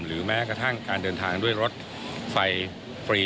แม้กระทั่งการเดินทางด้วยรถไฟฟรี